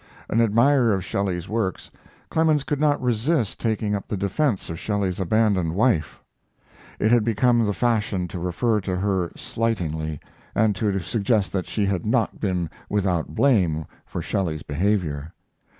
An admirer of Shelley's works, Clemens could not resist taking up the defense of Shelley's abandoned wife. It had become the fashion to refer to her slightingly, and to suggest that she had not been without blame for Shelley's behavior.